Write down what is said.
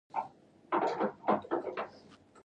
ته یې سپارښتنه کوې؟ د زړه له اخلاصه، زه هېڅ بل شی نه څښم.